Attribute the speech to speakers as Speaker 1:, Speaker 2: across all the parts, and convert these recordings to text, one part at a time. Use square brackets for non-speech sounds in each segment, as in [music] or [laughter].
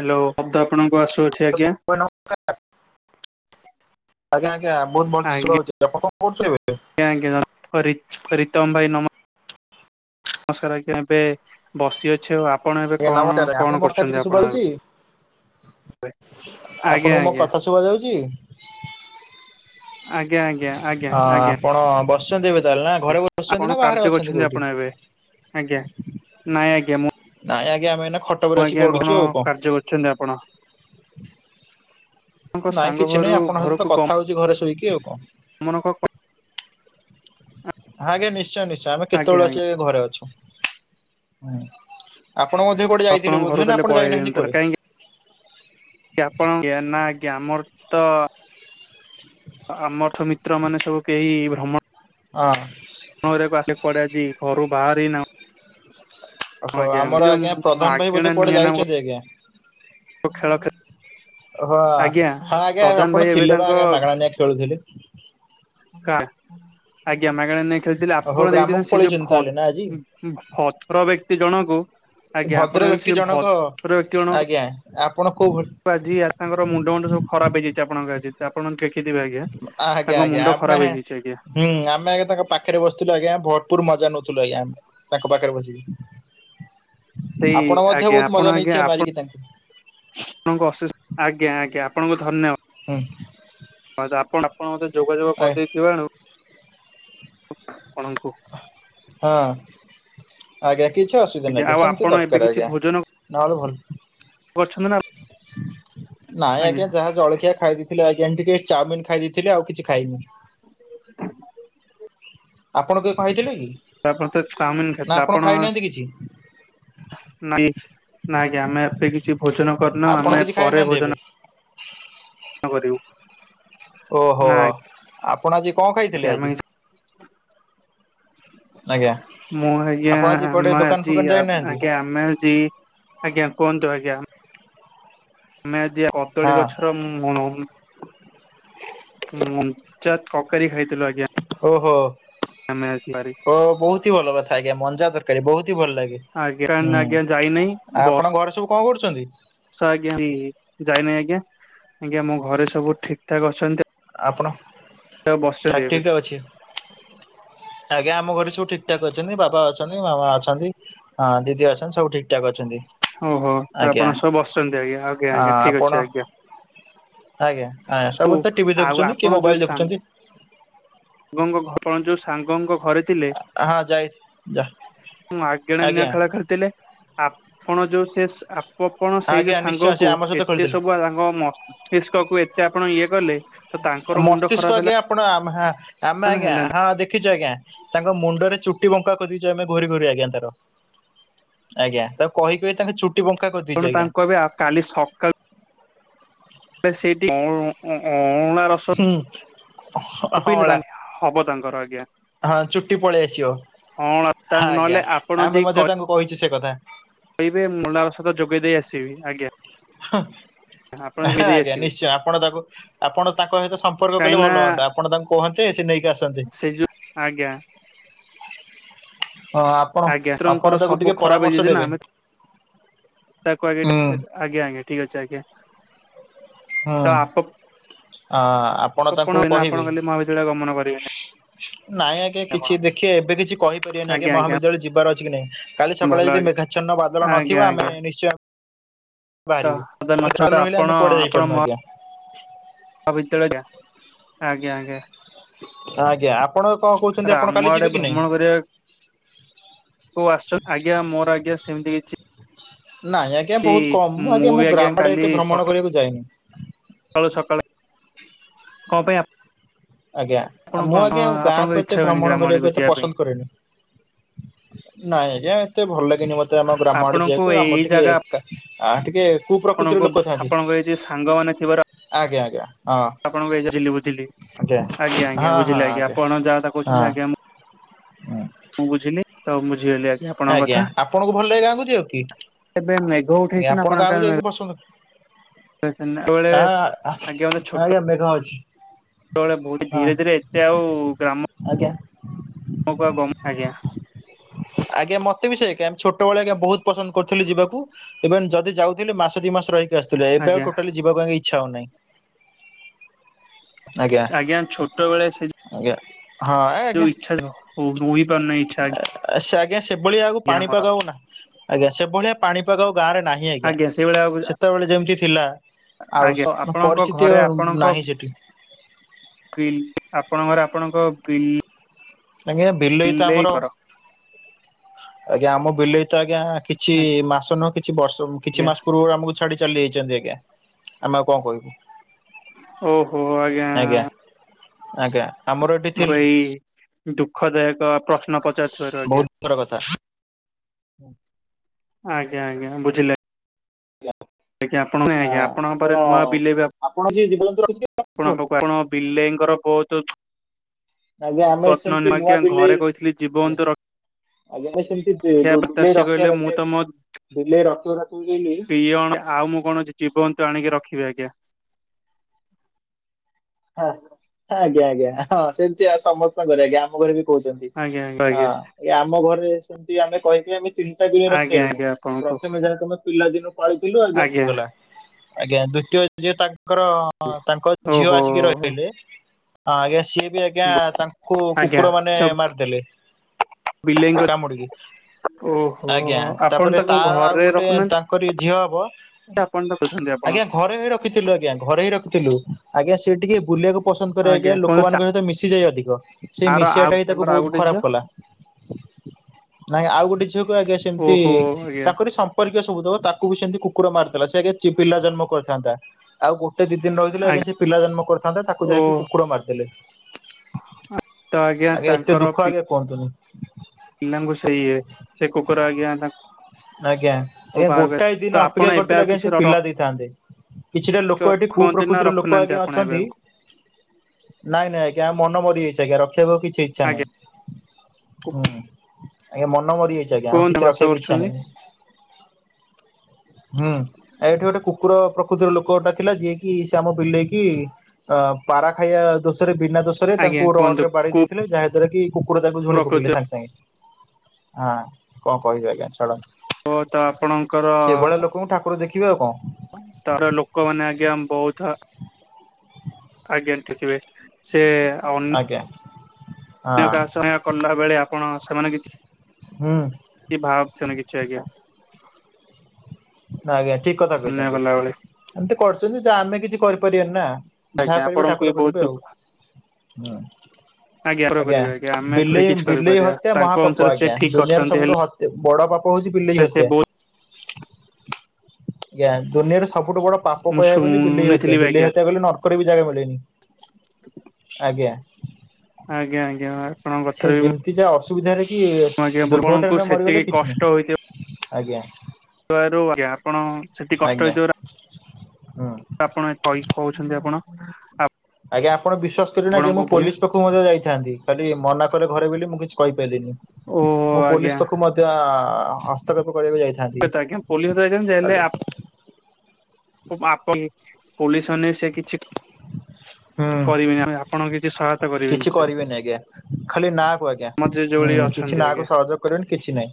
Speaker 1: Hello ଶବ୍ଦ ଆପଣଙ୍କୁ ଆସ
Speaker 2: [unintelligible] ଆଜ୍ଞା ଆଜ୍ଞା ବହୁତ୍ ଭଲ ସେ ଶୁଭା ଯାଉଚି। ଆପଣ କରୁଥିଲେ ଏବେ?
Speaker 1: [unintelligible] ପ୍ରୀତମ ଭାଈ ନମ ନମସ୍କାର ଆଜ୍ଞା, ଏବେ ବସି ଅଛି ଆଉ ଆ ଆପଣ ଏବେ
Speaker 2: ଆଜ୍ଞା
Speaker 1: କଣ
Speaker 2: ନମସ୍କାର ଆପଣଙ୍କୁ
Speaker 1: କଣ
Speaker 2: ମୋ କଥା ଟିକେ
Speaker 1: କରୁଛନ୍ତି ଆପଣ
Speaker 2: ଶୁଭାଯାଉଛି
Speaker 1: ଏବେ? ଆଜ୍ଞା
Speaker 2: ଆପଣଙ୍କୁ ମୋ
Speaker 1: ଆଜ୍ଞା।
Speaker 2: କଥା ଶୁଭାଯାଉଛି?
Speaker 1: ଆଜ୍ଞା ଆଜ୍ଞା ଆଜ୍ଞା
Speaker 2: ଅ
Speaker 1: ଆଜ୍ଞା।
Speaker 2: ଆପଣ [unintelligible] ଘରେ
Speaker 1: ଆପଣ
Speaker 2: ବସିଛନ୍ତି ନା ବାହାରେ
Speaker 1: କାର୍ଯ୍ୟ
Speaker 2: ଅଛନ୍ତି
Speaker 1: କରୁଛନ୍ତି
Speaker 2: କୋଉଠି?
Speaker 1: ଆପଣ ଏବେ ଆଜ୍ଞା। ନାଇଁ ଆଜ୍ଞା ମୁଁ
Speaker 2: ନାଇଁ ଆଜ୍ଞା ଆମେ ଏଇନା ଖଟ ଉପରେ ଆସିି
Speaker 1: ଆଜ୍ଞା
Speaker 2: ଗଡୁଚୁ ଆଉ କଣ।
Speaker 1: କାର୍ଯ୍ୟ କରୁଛନ୍ତି ଆପଣ ଆପଣଙ୍କ
Speaker 2: ନାଇଁ
Speaker 1: ସାଙ୍ଗ
Speaker 2: କିଛି
Speaker 1: ଘରୁ
Speaker 2: ନାହିଁ ଆପଣଙ୍କ ସହିତ ତ
Speaker 1: ଘରକୁ
Speaker 2: କଥା ହଉଚି ଘରେ ଶୋଇକି ଆଉ
Speaker 1: ଗମନ
Speaker 2: କଣ।
Speaker 1: କ
Speaker 2: ଆଜ୍ଞା ନିଶ୍ଚୟ ନିଶ୍ଚୟ ଆମେ
Speaker 1: ଆଜ୍ଞା
Speaker 2: କେତେବେଳୁ
Speaker 1: ଆଜ୍ଞା
Speaker 2: ଆସି ଘରେ ଅଛୁ। ହୁଁ। ଆପଣ ମଧ୍ୟ କୁଆଡ଼େ ଯାଇଥିଲେ
Speaker 1: ଆପଣଙ୍କ
Speaker 2: ବୋଧହୁଏ। ନା ଆପଣ ଯାଇନାହାନ୍ତି କୁଆଡ଼େ?
Speaker 1: କି ଆପଣ [unintelligible] ଆମର ତ ଆମର ତ ମିତ୍ର ମାନେ ସବୁ କେହି ଭ୍ରମ
Speaker 2: ହଁ।
Speaker 1: ଆଜି ଘରୁ ବାହାରି ନା
Speaker 2: ଓହୋ
Speaker 1: ଆଜ୍ଞା
Speaker 2: ଆମର
Speaker 1: ଏଇ ଯଉ
Speaker 2: ଆଜ୍ଞା ପ୍ରଧାନ ଭାଇ ବୋଧେ
Speaker 1: ମାଗେଣା
Speaker 2: କୁଆଡେ
Speaker 1: ନିଆ ନାମକ
Speaker 2: ଯାଇଛନ୍ତି ଆଜ୍ଞା।
Speaker 1: ଖେଳ ଖେ
Speaker 2: ହଁ ଆଜ୍ଞା ଆପଣ
Speaker 1: ଏବେ
Speaker 2: ଥିଲେ ବା ଆଜ୍ଞା ମାଗଣା ନିଆ ଖେଳୁଥିଲେ।
Speaker 1: କା ଆଜ୍ଞା ମାଗଣା ନେ ଖେଳିଥିଲେ
Speaker 2: ଓହୋ
Speaker 1: ଆପଣ ଦେଖିଛନ୍ତି ନା
Speaker 2: ଗ୍ରାମକୁ
Speaker 1: ସେ
Speaker 2: ପଳେଇଛନ୍ତି
Speaker 1: ଯୋଉ
Speaker 2: ତାହେଲେ ନା ଆଜି
Speaker 1: ଭ-ଭଦ୍ର ବ୍ୟକ୍ତି ଜଣଙ୍କୁ ଆଜ୍ଞା
Speaker 2: ଭଦ୍ର
Speaker 1: ଆପଣ ଯଦି
Speaker 2: ବ୍ୟକ୍ତି
Speaker 1: ସେ
Speaker 2: ଜଣକ
Speaker 1: ଭଦ୍ର ବ୍ୟକ୍ତି ଜଣ କ
Speaker 2: ଆଜ୍ଞା ଆପଣ କୋଉ
Speaker 1: ଆଜି ଆସାଙ୍କର ମୁଣ୍ଡ ଫୁଣ୍ଡ ସବୁ ଖରାପ ହେଇଯାଇଛି ଆପଣଙ୍କ ଆଜି। ତ ଆପଣ ମାନେ
Speaker 2: ଆଜ୍ଞା ଆଜ୍ଞା ଆମେ
Speaker 1: ହେଇଯାଇଛି ଆଜ୍ଞା
Speaker 2: ହୁଁ ଆମେ ଆଜ୍ଞା ତାଙ୍କ ପାଖରେ ବସିଥିଲୁ ଆଜ୍ଞା ଭ ଭରପୂର ମଜା ନଉଥିଲୁ ଆଜ୍ଞା ତାଙ୍କ ପାଖରେ ବସିକି।
Speaker 1: ସେଇ
Speaker 2: ଆପଣ ମଧ୍ୟ
Speaker 1: ଆଜ୍ଞା
Speaker 2: ବହୁତ
Speaker 1: ଆପଣ
Speaker 2: ମଜା
Speaker 1: ଆଜ୍ଞା
Speaker 2: ନେଇଥିବେ ମାରିକି ତାଙ୍କୁ।
Speaker 1: ଆପଣଙ୍କ ଅସୁସ ଆଜ୍ଞା ଆଜ୍ଞା ଆପଣଙ୍କୁ
Speaker 2: ହୁଁ
Speaker 1: ଧନ୍ୟବାଦ। ଆପଣ ଆପଣ ମତେ ଯୋଗାଯୋଗ
Speaker 2: ଆଜ୍ଞା।
Speaker 1: କରିଦେଇଥିବାରୁ ଆପଣଙ୍କୁ
Speaker 2: ହଁ ଆଜ୍ଞା। କିଛି ଅସୁବିଧା ନାଇ
Speaker 1: ଆଉ
Speaker 2: ଆଜ୍ଞା ସେମିତି
Speaker 1: ଆପଣ ଏବେ
Speaker 2: ଦରକାର
Speaker 1: କିଛି
Speaker 2: ଆଜ୍ଞା।
Speaker 1: ଭୋଜନ
Speaker 2: ନହେଲେ ଭ
Speaker 1: [unintelligible]
Speaker 2: ନାଇଁ ଆଜ୍ଞା ଯାହା ଜଳଖିଆ ଖାଇ ଦେଇଥିଲେ ଆଜ୍ଞା ଟିକେ ଚାଉମିନ ଖାଇ ଦେଇଥିଲେ ଆଉ କିଛି ଖାଇନି। ଆପଣ କି ଖାଇଥିଲେ କି
Speaker 1: ଆପଣ ତ ଚାଉମିନ
Speaker 2: ନା
Speaker 1: ଖାଇଥିଲେ
Speaker 2: ଆପଣ ଖାଇନାହାନ୍ତି କିଛି?
Speaker 1: ନାଇଁ ନା ଆଜ୍ଞା ଆମେ ଏବେ କିଛି ଭୋଜନ କରିନଉ
Speaker 2: ଆପଣ
Speaker 1: ଆମେ
Speaker 2: କିଛି
Speaker 1: ପରେ
Speaker 2: ଖାଇନାହାନ୍ତି ଏବେ?
Speaker 1: ଭୋଜନ କରିବୁ।
Speaker 2: ଓହୋ
Speaker 1: ନା
Speaker 2: ଆପଣ ଆଜି କଣ
Speaker 1: ଆଜ୍ଞା
Speaker 2: ଖାଇଥିଲେ
Speaker 1: ଆମେ
Speaker 2: ଆଜି? ଆଜ୍ଞା।
Speaker 1: ମୁଁ ଆଜ୍ଞା
Speaker 2: ଆପଣ ଆଜି କୁଆଡେ
Speaker 1: ଆମ
Speaker 2: ଦୋକାନ
Speaker 1: ଆଜି
Speaker 2: ଫୋକାନ ଯାଇନାହାନ୍ତି?
Speaker 1: ଆଜ୍ଞା ଆମେ ଆଜି ଆଜ୍ଞା କୁହନ୍ତୁ ଆଜ୍ଞା ଆମେ ଆଜୀ କଦଳୀ
Speaker 2: ହଁ
Speaker 1: ଗଛର ଉ, ମ ମଞ୍ଜା ତରକାରୀ ଖାଇଥିଲୁ ଆଜ୍ଞା।
Speaker 2: ଓହୋ।
Speaker 1: ଆମେ ଆଜି ବାରି
Speaker 2: ଓ ବହୁତ ହି ଭଲ କଥା ଆଜ୍ଞା ମଞ୍ଜା ତରକାରୀ ବହୁତ ହି ଭଲ ଲାଗେ
Speaker 1: ଆଜ୍ଞା
Speaker 2: ହୁଁ।
Speaker 1: ଆଜ୍ଞା
Speaker 2: ଆଉ ଆପଣ ଘରେ ସବୁ କଣ କ
Speaker 1: ସ ଆଜ୍ଞା ଯାଇନାହିଁ ଆଜ୍ଞା ଆଜ୍ଞା ମୋ ଘରେ ସବୁ ଠିକ୍ ଠାକ୍ ଅଛନ୍ତି
Speaker 2: ଆପଣ
Speaker 1: ଆଉ ବସିଛନ୍ତି
Speaker 2: ଠାକ୍
Speaker 1: ଏବେ
Speaker 2: ଠିକରେ ଅଛି ଆଜ୍ଞା ଆମ ଘରେ ସବୁ ଠିକ୍ ଠାକ୍ ଅଛନ୍ତି ବାବା ଅଛନ୍ତି ମାମା ଅଛନ୍ତି ଆ ଦିଦି ଅଛନ୍ତି ସବୁ ଠିକ୍ ଠାକ୍ ଅଛନ୍ତି।
Speaker 1: ଓ ହୋ ତ
Speaker 2: ଆଜ୍ଞା
Speaker 1: ଆପଣ ସବୁ ବସିଛନ୍ତି ଆଜ୍ଞା ଆଜ୍ଞା
Speaker 2: ହଁ
Speaker 1: ଆଜ୍ଞା ଠିକ୍
Speaker 2: ଆପଣ
Speaker 1: ଅଛି ଆଜ୍ଞା।
Speaker 2: ଆଜ୍ଞା ଆ୍
Speaker 1: ଓ
Speaker 2: ସବୁ ତ ଟିଭି
Speaker 1: ଆଉ
Speaker 2: ଦେଖୁଛନ୍ତି କିଏ ମୋବାଇଲ୍ ଦେଖୁଛନ୍ତି।
Speaker 1: ଆପଣଙ୍କ ଘର ପାଖରେ ଯୋଉ ସାଙ୍ଗଙ୍କ ଘରେ ଥିଲେ
Speaker 2: ହଁ ଯାଇ ଯା
Speaker 1: ମାଗାଣାନୀୟ
Speaker 2: ଆଜ୍ଞା
Speaker 1: ଖେଳ ଖେଳିଥିଲେ ଆପ ପଣ ଯୋଉ ସେ ଆପ ପଣ ସେଇ
Speaker 2: ଆଜ୍ଞା
Speaker 1: ଯୋଉ
Speaker 2: ନିଶ୍ଚୟ
Speaker 1: ସାଙ୍ଗ
Speaker 2: ସେ
Speaker 1: କୁ
Speaker 2: ଆମ ସହିତ
Speaker 1: ଏତେ
Speaker 2: ଖେଳୁଥିଲେ।
Speaker 1: ସବୁ ତାଙ୍କ ମସ୍ତିଷ୍କ କୁ ଏତେ ଆପଣ ଇଏ କଲେ ତ ତାଙ୍କର ମୁଣ୍ଡ ଖରାପ
Speaker 2: ମସ୍ତିଷ୍କ
Speaker 1: ହେଲା
Speaker 2: ଆଜ୍ଞା ଆପଣ ଆ-ଆମେ ଆଜ୍ଞା
Speaker 1: ହେଲାନି
Speaker 2: ହଁ ଦେଖିଛୁ ଆଜ୍ଞା ତାଙ୍କ ମୁଣ୍ଡ ଚୁଟି ବଙ୍କା କରିଦେଇଚୁ ଆମେ ଘୋରି ଘୋରି ଆଜ୍ଞା ତାର ଆଜ୍ଞା ତାକୁ କହି କହି ତାଙ୍କ ଚୁ ଚୁଟି ବଙ୍କା
Speaker 1: ଆପଣ
Speaker 2: କରିଦେଇଚି ଆଜ୍ଞା।
Speaker 1: ତାଙ୍କୁ ଏବେ କାଲି ସକାଳୁ ସେଇଠି ଉ-ଉ-ଉ-ଉଣା ରସ
Speaker 2: ହୁଁ
Speaker 1: ପିଇଲେ
Speaker 2: ହଁ-ଅଁଳା
Speaker 1: ତାଙ୍କ ହବ ତାଙ୍କର ଆଜ୍ଞା
Speaker 2: ହଁ ଚୁଟି ପଳେଇ ଆସିବ
Speaker 1: ଅଁଳା ତାଙ୍କୁ
Speaker 2: ହଁ
Speaker 1: ନହେଲେ
Speaker 2: ଆଜ୍ଞା
Speaker 1: ଆପଣ ଯଦି
Speaker 2: ଆମେ ମଧ୍ୟ ତାଙ୍କୁ କହିଛୁ ସେ କଥା।
Speaker 1: କହିବେ ମୂଳା ରସତ ଯୋଗେଇ ଦେଇ ଆସିବି ଆଜ୍ଞା।
Speaker 2: ହଁ।
Speaker 1: ଆପଣ ଯୋଗେଇ
Speaker 2: ଆହି
Speaker 1: ଦେଇ
Speaker 2: ଆଜ୍ଞା
Speaker 1: ଆସିବି
Speaker 2: ନିଶ୍ଚୟ ଆପଣ ତାଙ୍କୁ ଆପଣ ତାଙ୍କ ସହିତ ସମ୍ପର୍କ କଲେ
Speaker 1: କାହିଁକି ନା
Speaker 2: ଭଲ ହୁଅନ୍ତା ଆପଣ ତାଙ୍କୁ କୁହନ୍ତେ ସେ ନେଇକି ଆସନ୍ତେ
Speaker 1: ସେ ଯୁ ଆଜ୍ଞା।
Speaker 2: ହଁ ଆପଣ
Speaker 1: ଆଜ୍ଞା
Speaker 2: ଆପଣ
Speaker 1: ମିତ୍ରଙ୍କର
Speaker 2: ତାକୁ
Speaker 1: ସବୁ
Speaker 2: ଟିକେ
Speaker 1: ଖରାପ
Speaker 2: ପରାମର୍ଶ
Speaker 1: ହେଇଯାଇଛି ନା
Speaker 2: ଦେବେ
Speaker 1: ଆମେ ତାକୁ କହିବେ
Speaker 2: ହୁଁ
Speaker 1: ସେତ ଆଜ୍ଞା ଆଜ୍ଞା ଠିକ୍ ଅଛି ଆଜ୍ଞା।
Speaker 2: ହୁଁ
Speaker 1: ତ ଆପ
Speaker 2: ଆପଣ ତାଙ୍କୁ
Speaker 1: ଏଇନା ଆପଣ
Speaker 2: କହିବେ।
Speaker 1: କହିଲେ ମହାବିଦ୍ୟାଳୟ ଗମନ କରିବେନି
Speaker 2: ନାଇଁ ଆଜ୍ଞା
Speaker 1: ଆପଣ
Speaker 2: କିଛି ଦେଖି ଏବେ କିଛି କହିପାରିବନି ଆଜ୍ଞା ମହାବିଦ୍ୟାଳୟ ଯିବି ଯିବାର ଅଛି କି ନାଇଁ କାଲି
Speaker 1: ଭଲ
Speaker 2: ସକାଳେ ଯଦି
Speaker 1: ଆଜ୍ଞା
Speaker 2: ମେଘାଛନ୍ନ ବାଦଳ
Speaker 1: ଆଜ୍ଞା
Speaker 2: ନଥିବ ଆମେ
Speaker 1: ଆଜ୍ଞା
Speaker 2: ନିଶ୍ଚୟ
Speaker 1: ତ
Speaker 2: ବାହାରିବୁ
Speaker 1: ସଦନ ନଥିବ
Speaker 2: ଚାଲୁ
Speaker 1: ତ
Speaker 2: ରହିଲେ ଆମେ କୁଆଡେ ଯାଇପାରୁନୁ ଆଜ୍ଞା।
Speaker 1: ଅବିତଳ ଆଜ୍ଞା ଆଜ୍ଞା ଆଜ୍ଞା।
Speaker 2: ଆଜ୍ଞା ଆ
Speaker 1: ଆରେ ଆମ ଆଡ଼େ ଭ୍ରମଣ କରିବା କୋ ଆସଚନ ଆଜ୍ଞା ମୋର ଆଜ୍ଞା ସେମିତି କିଛି
Speaker 2: ନାଇଁ ଆଜ୍ଞା ବହୁତ କମ ଆଜ୍ଞା ମୁଁ ଗ୍ରାମ ଆଡ଼େ ଏତେ ଭ୍ରମଣ କରିବାକୁ ଯାଇନି।
Speaker 1: ସକାଳୁ ସକାଳେ କଣ ପାଇଁ ଆପ
Speaker 2: ଆଜ୍ଞା ମୁଁ ଆଜ୍ଞା ଗାଁକୁ
Speaker 1: ଆପଣଙ୍କ
Speaker 2: ଏତେ
Speaker 1: ଇଚ୍ଛା ହୁଏନି
Speaker 2: ଭ୍ରମଣ
Speaker 1: ଗ୍ରାମ
Speaker 2: କରିବାକୁ
Speaker 1: ଆଡକୁ
Speaker 2: ଏତେ
Speaker 1: ଯିବା ପାଇଁ
Speaker 2: ପସନ୍ଦ କରେନି। ନାଇଁ ଆଜ୍ଞା। ମତେ ଭଲ ଲାଗେନି ମୋତେ ଆମ ଗ୍ରାମ ଆଡ଼େ
Speaker 1: ଆପଣଙ୍କୁ
Speaker 2: ଯିବାକୁ ଆମର ଟିକେ ଏକା ଆ ଟିକେ କୁପ୍ରକୃତିର
Speaker 1: ଆପଣଙ୍କ
Speaker 2: ଲୋକ
Speaker 1: ବୋ
Speaker 2: ଥାନ୍ତି
Speaker 1: ଆପଣଙ୍କ ଏଇଯେ ସାଙ୍ଗମାନେ ଥିବାର
Speaker 2: ଆଜ୍ଞା ଆଜ୍ଞା ହଁ
Speaker 1: ଆପଣଙ୍କୁ ଏଯେଲେ ବୁଝିଲି ବୁଝିଲି। ଆଜ୍ଞା ଆଜ୍ଞା
Speaker 2: ହଁ ହଁ
Speaker 1: ବୁଝିଲେ ଆଜ୍ଞା ଆପଣ ଯାହା ଟା କହୁଛନ୍ତି ଆଜ୍ଞା ମୁଁ
Speaker 2: ହଁ।
Speaker 1: ମୁଁ ବୁଝିଲି ତମ ବୁ
Speaker 2: ଆଜ୍ଞା ଆପଣଙ୍କୁ ଭଲ ଲାଗେ ଗାଁ କୁୁ୍ ଯିବାକୁ କି?
Speaker 1: ଏବେ ମେଘ ଉଠେଇଛି
Speaker 2: ଆଜ୍ଞା
Speaker 1: ନା
Speaker 2: ଆପଣ ଗାଁ
Speaker 1: ଆପଣଙ୍କ ଆଡେ
Speaker 2: କୁ
Speaker 1: ମେଘ
Speaker 2: ଯିବାକୁ ପସନ୍ଦ
Speaker 1: ଉଠେଇଛି ନା ବେଳେ
Speaker 2: ଆ ଆ ଆଜ୍ଞା ମେଘ ଅଛି।
Speaker 1: ଯେତେବେଳେ ବହୁତ
Speaker 2: ହଁ
Speaker 1: ଧୀରେ ଧୀରେ ଏତେ ଆଉ ଗ୍ରାମ
Speaker 2: ଆଜ୍ଞା
Speaker 1: ହଉ କି ଗମ୍ ଆଜ୍ଞା।
Speaker 2: ଆଜ୍ଞା ମତେ ବି ସେଇ ଏକା ଆମେ ଛୋଟ ବେଳେ ଆଜ୍ଞା ବହୁତ ପସନ୍ଦ କରୁଥିଲୁ ଯିବାକୁ ଏବଂ ଯଦି ଯାଉଥିଲି ମାସେ ଦି ମାସେ ରହିକି ଆସୁଥିଲି ଏବେ ଆଉ
Speaker 1: ଆଜ୍ଞା
Speaker 2: ଟୋଟାଲି ଯିବାକୁ କାଇଁ ଇଚ୍ଛା ହଉନାହିଁ।
Speaker 1: ଆଜ୍ଞା ଛୋଟ ବେଳେ ସେ
Speaker 2: ଆଜ୍ଞା ହଁ ଆଜ୍ଞା
Speaker 1: ଯଉ ଇଚ୍ଛା ମୁଁ ନୁହି ପାରୁନାହିଁ ଇଚ୍ଛା
Speaker 2: ସେ ଆଜ୍ଞା ସେଭଳିଆକୁ
Speaker 1: ଆଜ୍ଞା
Speaker 2: ପାଣି
Speaker 1: ଆମର
Speaker 2: ପାଗ ଆଉ ନା ଆଜ୍ଞା ସେଭଳିଆ ପାଣି ପାଗ ଆଉ ଗାଁରେ ନାହିଁ ଆଜ୍ଞା।
Speaker 1: ସେଇଭଳିଆ ଆଉ
Speaker 2: ସେତେବେଳେ ଯେମିତି ଥିଲା। ଆଉ
Speaker 1: ଆଜ୍ଞା ଆପଣଙ୍କ
Speaker 2: ପରିସ୍ଥିତି
Speaker 1: ଘରେ
Speaker 2: ଆଉ
Speaker 1: ଆପଣଙ୍କ
Speaker 2: ନାହିଁ ସେଠି
Speaker 1: ବିଲ ଆପଣଙ୍କର ଆପଣଙ୍କ ବିଲ
Speaker 2: ଆଜ୍ଞା ବିଲ ଏଇତ ଆମର ଆଜ୍ଞା ଆମ ବିଲେଇ ତ ଆଜ୍ଞା କିଛି ମାସ ନୁହଁ କିଛି ବର୍ଷ କିଛି
Speaker 1: ଆଜ୍ଞା
Speaker 2: ମାସ ପୂର୍ବରୁ ଆମକୁ ଛ ଛାଡି ଚାଲି ଯାଇଛନ୍ତି ଆଜ୍ଞା ଆମେ ଆଉ କଣ କହିବୁ?
Speaker 1: ଓହୋ ଆଜ୍ଞା।
Speaker 2: ଆଜ୍ଞା ଆମର ଏଠି
Speaker 1: ମୁଁ
Speaker 2: ଥିଲା
Speaker 1: ଏଇ ଦୁଃଖଦାୟକ ପ୍ରଶ୍ନ ପଚାରୁଥିବାରୁ ଆଜ୍ଞା।
Speaker 2: ହୁଁ। [inaudible]
Speaker 1: ଆଜ୍ଞା ଆଜ୍ଞା ବୁଝିଲି ଆ ଆଜ୍ଞା ଆପଣ
Speaker 2: ଆ
Speaker 1: ଆଜ୍ଞା ଆପଣଙ୍କ
Speaker 2: ଆପଣ
Speaker 1: ପାଖରେ ରେ ନୂଆ ପିଲେ ବି ଆପ
Speaker 2: ଆପଣ ଯିଏ ଜୀବଜନ୍ତୁ ରଖିଛନ୍ତି
Speaker 1: ଆପଣ ଆପଣ ବିଲେଇଙ୍କର ବହୁତୁ
Speaker 2: ଆଜ୍ଞା ଆମେ ସେମିତି ନୂଆ
Speaker 1: ଆଜ୍ଞା ଘରେ
Speaker 2: ବିଲେଇ
Speaker 1: କହିଥିଲି
Speaker 2: ଆଜ୍ଞା ଆଜ୍ଞା ସେମତି
Speaker 1: ଖଆପିଆ ଚାଷି କହିଲେ ମୁଁ ତ ମୋ
Speaker 2: ବିଲେଇ ରଖିବୁ ରଖିବୁ ବୋଲି
Speaker 1: ପ୍ରିଅଣ ଆଉ ମୁଁ କଣ ଅଛି ଜୀବନ୍ତୁ ଆଣିକି ରଖି ବି ଆଜ୍ଞା।
Speaker 2: ହଁ ଆଜ୍ଞା ଆଜ୍ଞା ହଁ ସେମିତି ଆ ସମସ୍ତଙ୍କରେ ଆଜ୍ଞା ଆମ ଘରେ ବି କୁହ ସେମିତି
Speaker 1: ଆଜ୍ଞା ଆଜ୍ଞା
Speaker 2: ଆ
Speaker 1: ଆଜ୍ଞା
Speaker 2: ଏ ଆମ ଘରେ ସେମିତି ଆମେ କହିକି ଏମିତି ତିନିଟା ବିଣେଇ
Speaker 1: ଆଜ୍ଞା
Speaker 2: ରଖିସାଇଲୁଣି
Speaker 1: ଆଜ୍ଞା ଆପଣଙ୍କୁ
Speaker 2: ପ୍ରଥମେ ଯାହା ତମେ ପିଲାଦିନୁ ପାଳିଥିଲୁ ଆଜ୍ଞା। ଆଜ୍ଞା ଦ୍ଵିତୀୟ ଯିଏ ତାଙ୍କର ତାଙ୍କ ଝିଅ
Speaker 1: ଓହୋ।
Speaker 2: ଆସି କହିଲେ ଆଜ୍ଞା ସିଏ ବି ଆଜ୍ଞା ତାଙ୍କୁ
Speaker 1: ଆଜ୍ଞା
Speaker 2: କୁକୁର ମାନେ
Speaker 1: ସବୁ
Speaker 2: ମାରିଦେଲେ।
Speaker 1: ବିଲେଇଙ୍କ
Speaker 2: କାମୁଡିକି।
Speaker 1: ଓହୋ
Speaker 2: ଆଜ୍ଞା
Speaker 1: ଆପଣ
Speaker 2: ତାପରେ
Speaker 1: ତାକୁ
Speaker 2: ତାର ଆଉ
Speaker 1: ଘରେ
Speaker 2: ଗୋଟେ
Speaker 1: ରଖୁନାହାନ୍ତି
Speaker 2: ତାଙ୍କରି ଝିଅ ହବ
Speaker 1: ଆପଣ ତାକୁ ରଖୁଛନ୍ତି ଆପଣ।
Speaker 2: ଆଜ୍ଞା ଘରେ ହିଁ ରଖଥିଲୁ ଆଜ୍ଞା ଘରେ ହିଁ ରଖଥିଲୁ। ଆଜ୍ଞା ସେ ଟିକେ ବୁଲିବାକୁ ପସନ୍ଦ କରେ ଆଜ୍ଞା ଲୋକମାନଙ୍କ ସହିତ ମିଶିଯାଏ ଅଧିକ। ସେଇ
Speaker 1: ତାର
Speaker 2: ମିସିବା
Speaker 1: ଆଉ
Speaker 2: ଟା ହି ତାକୁ
Speaker 1: ତାଙ୍କର ଆଉ
Speaker 2: ବହୁତ
Speaker 1: ଗୋଟେ
Speaker 2: ଖରାପ
Speaker 1: ଝିଅ
Speaker 2: କଲା। ନାଇଁ ଆଉ ଗୋଟେ ଝିଅକୁ ଆଜ୍ଞା ସେମତି
Speaker 1: ଓହୋ ଆଜ୍ଞା
Speaker 2: ତାଙ୍କରି ସମ୍ପର୍କୀୟ ସବୁ ତକ ତାକୁ ସେମିତି କୁକୁର ମାରି ଦେଲା ସେ ଆଜ୍ଞା ଚି ପିଲା ଜନ୍ମ କରିଥାନ୍ତା, ଆଉ ଗୋଟେ ଦି ଦିନି ରହିଥିଲେ ଆଜ୍ଞା ସେ ପିଲା ଜନ୍ମ କରିଥାନ୍ତା ତାକୁ
Speaker 1: ଓ
Speaker 2: ଯାଇକି କୁକୁର ମାରିଦେଲେ।
Speaker 1: ତ
Speaker 2: ଆଜ୍ଞା ଏତେ
Speaker 1: ତାଙ୍କର
Speaker 2: ଦୁଃଖ
Speaker 1: ପି
Speaker 2: ଆଜ୍ଞା କୁହନ୍ତୁନି।
Speaker 1: ପିଲାଙ୍କୁ ସେହି ଇଏ ସେ କୁକୁର ଆଜ୍ଞା ତାଙ୍କୁ
Speaker 2: ଆଜ୍ଞା ଆଜ୍ଞା
Speaker 1: ବାହାରକୁ
Speaker 2: ଗୋଟାଏ
Speaker 1: ତ
Speaker 2: ଦିନ
Speaker 1: ଆପଣ
Speaker 2: ଅପେକ୍ଷା
Speaker 1: ଏବେ
Speaker 2: କରିଥିଲେ
Speaker 1: ଆଉ
Speaker 2: ଆଜ୍ଞା
Speaker 1: କିଛି
Speaker 2: ସେ ପିଲା ଦେଇଥାଆନ୍ତେ। କିଛିଟା ଲୋକ ଏଠି କୁ
Speaker 1: ରଖନ୍ତି ନା
Speaker 2: ପ୍ରକୃତିର ଲୋକ
Speaker 1: ରଖୁନାହାନ୍ତି
Speaker 2: ଆଜ୍ଞା ଅ
Speaker 1: ଆପଣ ଏବେ
Speaker 2: ଛନ୍ତି।
Speaker 1: ଆଉ
Speaker 2: ନାଇ ନାଇଁ ଆଜ୍ଞା ମନ ମରି ଯାଇଛି ଆଜ୍ଞା ର ରଖିବାକୁ ଆଉ କିଛି ଇଚ୍ଛା ନାହିଁ
Speaker 1: ଆଜ୍ଞା।
Speaker 2: ହୁଁ ଆଜ୍ଞା ମନ ମନ ମରି ଯାଇଛି ଆଜ୍ଞା ଆଉ
Speaker 1: କୁହନ୍ତୁ
Speaker 2: କିଛି
Speaker 1: ବାସ
Speaker 2: ରଖିବାକୁ ଇଚ୍ଛା
Speaker 1: କରୁଛନ୍ତି
Speaker 2: ନାହିଁ। ହୁଁ ଆଉ ଏଠି ଗୋଟେ କୁକୁର ପ୍ରକୃତିର ଲୋକ ଗୋଟା ଥିଲା ଯିଏକି ସେ ଆମ ବିଲେଇ କି ଅ ପାରା ଖାଇବା ଦୋଷରେ ବିନା ଦୋଷରେ
Speaker 1: ଆଜ୍ଞା
Speaker 2: ତାଙ୍କୁ ରଡ୍
Speaker 1: କୁହନ୍ତୁ
Speaker 2: ରେ ବାଡେଇ
Speaker 1: କୋଉ
Speaker 2: ଦେଇଥିଲେ ଯାହା ଦ୍ଵାରା କି କୁକୁର ତାକୁ ଝୁଣି ପକେଇଲେ
Speaker 1: ପ୍ରକୃତି
Speaker 2: ସାଙ୍ଗେ ସାଙ୍ଗେ। ହାଁ କଣ କହିବି ଆଜ୍ଞା ଛାଡ଼ନ୍ତୁ।
Speaker 1: ତ ଆପଣଙ୍କର
Speaker 2: ସେଭଳିଆ ଲୋକଙ୍କୁ ଠାକୁର ଦେଖିବେ ଆଉ କଣ?
Speaker 1: ତାର ଲୋକମାନୋନେ ଆଜ୍ଞା ବହୁଥା - - ଆଜ୍ଞା ଥକିବେ ସେ
Speaker 2: ଆଜ୍ଞା।
Speaker 1: ନିଅ
Speaker 2: ହଁ
Speaker 1: କାଆସ କଲା ବେଳେ ଆପଣ ସେମାନେ କିଛି
Speaker 2: ହୁଁ।
Speaker 1: କି ଭାବ୍‌ଛ କିଛି ଆଜ୍ଞା।
Speaker 2: ନାଁ ଆଜ୍ଞା ଠିକ କଥା
Speaker 1: ଅନ୍ୟ
Speaker 2: କହିଛନ୍ତି
Speaker 1: କଲା ବେଳେ
Speaker 2: ଏମିତି କରିଛନ୍ତି ଯେ ଆମେ କିଛି କରିପାରିବା ନା ଯାହା
Speaker 1: ଆଜ୍ଞା
Speaker 2: କରିବେ
Speaker 1: ଆପଣଙ୍କୁ ବି
Speaker 2: ଠାକୁର
Speaker 1: ବହୁତ
Speaker 2: କରିବେ ଆଉ
Speaker 1: ଦୁଃଖ
Speaker 2: ହୁଁ।
Speaker 1: ର
Speaker 2: ଆଜ୍ଞା
Speaker 1: କରିବେ ଆମେ ଥୋଡି
Speaker 2: ବିଲେଇ
Speaker 1: କିଛି
Speaker 2: ବିଲେଇ
Speaker 1: କରିପାରିବା
Speaker 2: ହତ୍ୟା
Speaker 1: ତାଙ୍କ
Speaker 2: ମହାପାପ
Speaker 1: ଅନୁସାରେ ସେ
Speaker 2: ଆଜ୍ଞା
Speaker 1: ଠିକ
Speaker 2: ଦୁନିଆରେ
Speaker 1: କରିଛନ୍ତି
Speaker 2: ସବୁଠୁ
Speaker 1: ହେଲେ
Speaker 2: ହତ ବଡ ପାପ ହଉଛି ବିଲେଇ
Speaker 1: ସେ
Speaker 2: ହତ୍ୟା
Speaker 1: ବହୁତ
Speaker 2: ୟା ଦୁନିଆରେ ସବୁଠୁ ବଡ ପାପ
Speaker 1: ମୁଁ
Speaker 2: କହିବାକୁ ଗଲେ ବିଲେଇ ହତ୍ୟା
Speaker 1: ଶୁଣିଥିଲି ବି ଆଜ୍ଞା
Speaker 2: ବିଲେଇ ହତ୍ୟା କଲେ ନର୍କରେ ବି ଜାଗା ମିଳେନି। ଆଜ୍ଞା।
Speaker 1: ଆଜ୍ଞା ଆଜ୍ଞା ଅପଣଂଙ୍କ
Speaker 2: ସେ
Speaker 1: କଥାରେ ମୁଁ
Speaker 2: ଯେମିତି ଯା ଅସୁବିଧାରେ କି ଏ
Speaker 1: ଆଜ୍ଞା ଆପଣଙ୍କୁ
Speaker 2: ଦୁର୍ଘଟଣାରେ ମରିଗଲେ
Speaker 1: ସେତିକି
Speaker 2: କିଛି ନାହିଁ ଆଜ୍ଞା।
Speaker 1: ଦୟାରୁ ଆପଣ ସେତିକି କଷ୍ଟ
Speaker 2: ଆଜ୍ଞା
Speaker 1: ହେଇଥିବ
Speaker 2: ହୁଁ।
Speaker 1: ଆପଣ କହି କହୁଛନ୍ତି ଆପଣ
Speaker 2: ଆଜ୍ଞା ଆପଣ ବିଶ୍ୱାସ କରିବେ ନି କି ମୁଁ
Speaker 1: ଆପଣଙ୍କୁ
Speaker 2: ପୋଲିସ ପାଖକୁ ମଧ୍ୟ ଯାଇଥାନ୍ତି ଖାଲି ମନା କଲେ ଘରେ ବୋଲି ମୁଁ କିଛି କହିି କଲିନି
Speaker 1: ଓ
Speaker 2: ମୁଁ ପୋଲିସ
Speaker 1: ଆଜ୍ଞା
Speaker 2: ପାଖକୁ ମଧ୍ୟ ହସ୍ତଖେପ
Speaker 1: ତ ଆଜ୍ଞା ପୋଲିସରେ ଯାଇଛନ୍ତି ହେଲେ ଆପ [inaudible] ପୋଲିସ ଆନେ ସେ କିଛି କରିବେନି
Speaker 2: ହୁଁ
Speaker 1: ଆପଣଙ୍କୁ କିଛି ସହାୟତା
Speaker 2: କିଛି
Speaker 1: ସେ
Speaker 2: କରିବେନି ଆଜ୍ଞା। ଖାଲି ନାଆକୁ ଆଜ୍ଞା
Speaker 1: ଆମର ଯେ
Speaker 2: ହୁଁ
Speaker 1: ଯୋଉଳି
Speaker 2: କିଛି
Speaker 1: ଅଛନ୍ତି
Speaker 2: ନାଆକୁ
Speaker 1: ଆଜ୍ଞା
Speaker 2: ସହଯୋଗ କରିବେନି କିଛି ନାଇଁ।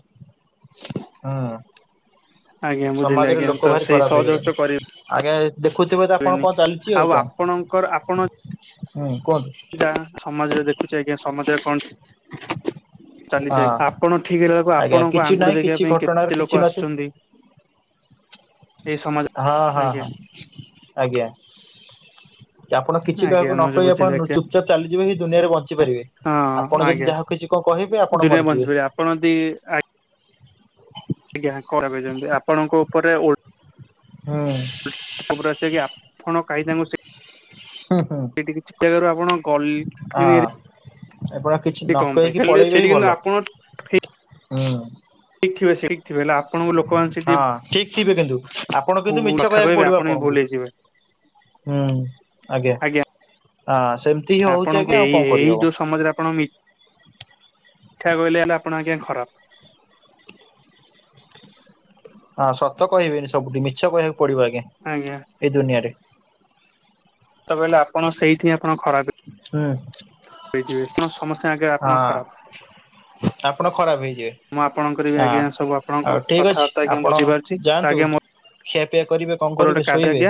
Speaker 2: ହୁଁ
Speaker 1: ଆଜ୍ଞା
Speaker 2: ଉଁ।
Speaker 1: ବୁଝିଲେ
Speaker 2: ସମାଜରେ
Speaker 1: ଆଜ୍ଞା ତ
Speaker 2: ଲୋକ ଭାରି
Speaker 1: ସେଇ
Speaker 2: ଖରାପ
Speaker 1: ସହଯୋଗ ତ
Speaker 2: ହେଇଗଲେଣି ଆଜ୍ଞା ଏ ଦେଖୁଥୁବେ ତ ଆପଣ
Speaker 1: କରିବେନି
Speaker 2: କଣ ଚାଲିଛି ଆଉ କଅଁ।
Speaker 1: ଆପଣଙ୍କର ଆପଣ ଯାଆଁ ସମାଜରେ ଦେଖୁଛି ଆଜ୍ଞା ସମାଜରେ କଣ ଚାଲି ଚେଇ
Speaker 2: ହଁ
Speaker 1: ଆପଣ ଠିକ ରହିଆକୁ
Speaker 2: ଆଜ୍ଞା
Speaker 1: ଆପଣଙ୍କୁ
Speaker 2: କିଛି
Speaker 1: ଆଙ୍ଗୁଠି
Speaker 2: ନାହିଁ
Speaker 1: ଦେଖିବା
Speaker 2: କିଛି
Speaker 1: ପାଇଁ
Speaker 2: ଘଟଣାର
Speaker 1: କେତେ
Speaker 2: କିଛି
Speaker 1: ଲୋକ
Speaker 2: ନଥିବ
Speaker 1: ଆସୁଚନ୍ତି। ଆ [inaudible]
Speaker 2: ହଁ ହଁ ହ ଆଜ୍ଞା। ଆପଣ କିଛି
Speaker 1: ଆଜ୍ଞା
Speaker 2: କାହାକୁ ନ
Speaker 1: ମୁଁ ଯେ
Speaker 2: କହି ଆପଣ
Speaker 1: ବୁଝିଲି
Speaker 2: ନୁ
Speaker 1: ଆଜ୍ଞା
Speaker 2: ଚୁପଚାପ ଚାଲିଯିବେ ହିଁ ଦୁନିଆରେ ବଞ୍ଚିପାରିବେ ଆପଣ ଯଦି ଯାହା କିଚି
Speaker 1: ଦୁନିଆରେ ବଞ୍ଚିପାରିବେ ଆପଣ ଜଦି ଇ ଆଜ୍ଞା କରା କହିଚନ୍ତି ଆପଣଙ୍କ ଉପରେ ଓ
Speaker 2: ହୁଁ
Speaker 1: ଖବର ଆସ କି ଆପଣ କାହିଁ ତାଙ୍କୁ ସେ
Speaker 2: ହୁଁ ହୁଁ
Speaker 1: ସେଇଟି କିଛି କଇବାରୁ ଆପଣ ଗ ଲି ଇ ରେ
Speaker 2: ହଁ ଆପଣ କିଛି ନ କହିକି ପଳେଇବେ
Speaker 1: ସେଇଠି
Speaker 2: ହିଁ
Speaker 1: କିନ୍ତୁ
Speaker 2: ଭଲ
Speaker 1: ଆପଣ
Speaker 2: ହୁଁ।
Speaker 1: ଠିକ ଥିବେ ସେଇଠି ଥିବେ ହେଲେ ଆପଣଙ୍କୁ ଲୋକମାନେ ସେଇଠି
Speaker 2: ତି ବେ କେନ୍ତୁ ଆପଣ କିନ୍ତୁ ମିଛ କହିବାକୁ ପଡିବ
Speaker 1: ଆପଣ ବି ଭୁଲ
Speaker 2: ଆପଣଙ୍କୁ।
Speaker 1: ହେଇଯିବେ
Speaker 2: ହୁଁ ଆଜ୍ଞା। ହଁ ସେମିତି ହିଁ ହଉଛି
Speaker 1: ଆପଣଙ୍କୁ
Speaker 2: ଆଜ୍ଞା
Speaker 1: ଏ
Speaker 2: ଆଉ
Speaker 1: ଇ
Speaker 2: କଣ
Speaker 1: ଏଇ
Speaker 2: କରିହବ
Speaker 1: ଯୋଉ ସମାଜରେ ଆପଣ ମି ଠା କହିଲେ ହେଲେ ଆପଣ ଆଜ୍ଞା ଖରାପ।
Speaker 2: ହଁ ସତ କହିବେନି ସବୁଠି ମିଛ କହିବାକୁ ପଡିବ ଆଜ୍ଞା ଏ ଦୁନିଆରେ।
Speaker 1: ତ କହିଲେ ଆପଣ ସେଇଥିଁ ଆପଣ ଖରାପେ।
Speaker 2: ହୁଁ
Speaker 1: ହେଇ ଯିବେ ଶଣ ସମସ୍ତେ ଆଗେ
Speaker 2: ହଁ
Speaker 1: ଆପଣ ଖରାପ।
Speaker 2: ଆପଣ ଖରାପ
Speaker 1: ମୁଁ
Speaker 2: ହେଇଯିବେ।
Speaker 1: ଆପଣଙ୍କର ବି ଆଜ୍ଞା ସବୁ
Speaker 2: ହଁ
Speaker 1: ଆପଣଙ୍କ
Speaker 2: ଆଉ ଠିକ ଅଛି
Speaker 1: କଥାବାର୍ତ୍ତା ଆଜ୍ଞା
Speaker 2: ଆପଣ
Speaker 1: ବୁଝିପାରୁଛି ତ
Speaker 2: ଯାଆନ୍ତୁ।
Speaker 1: ଆଜ୍ଞା
Speaker 2: ଖିଆ ପିଆ କରିବେ କଣ କରିବେ ଶୋଇବେ।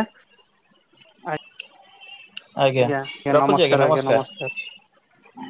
Speaker 1: ଆ।
Speaker 2: ଆଜ୍ଞା ରଖୁଛି ଆଜ୍ଞା ନମସ୍କାର।